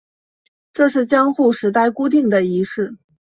这是江户时代固定的仪式。